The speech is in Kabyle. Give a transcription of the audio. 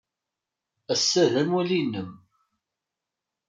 Ass-a d amulli-nnem.